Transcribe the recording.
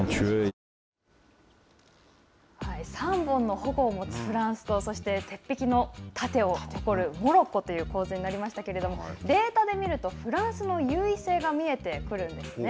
３本の矛を持つフランスとそして鉄壁の盾を誇るモロッコという構図になりましたけれども、データで見ると、フランスの優位性が見えてくるんですね。